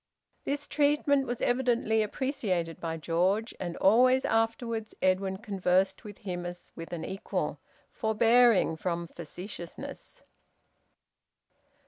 This treatment was evidently appreciated by George, and always afterwards Edwin conversed with him as with an equal, forbearing from facetiousness.